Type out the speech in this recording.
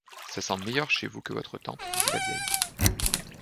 Ça sent meilleur chez vous que chez votre tante, dit la vieille.